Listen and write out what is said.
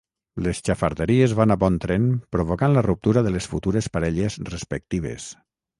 Les xafarderies van a bon tren provocant la ruptura de les futures parelles respectives.